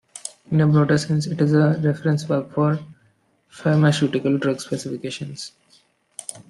In a broader sense it is a reference work for pharmaceutical drug specifications.